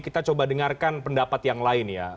kita coba dengarkan pendapat yang lain ya